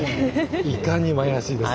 いかにも怪しいですね。